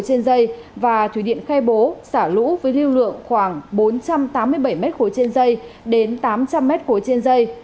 tại hà tĩnh nhà máy thủy điện khai bố xả lũ với lưu lượng khoảng bốn trăm tám mươi bảy m khối trên dây đến tám trăm linh m khối trên dây